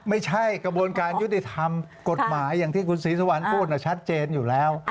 ไม่ใช่กระบวนการยุติธรรมกฎหมายอย่างที่คุณศรีสุวรรณพูดชัดเจนอยู่แล้ว